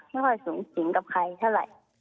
ไม่ค่อยสูงสิงกับใครเท่าไหร่